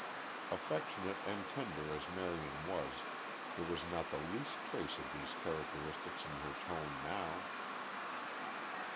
Affectionate and tender as Marion was, there was not the least trace of these characteristics in her tone now.